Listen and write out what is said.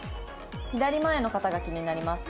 「左前の方が気になります」。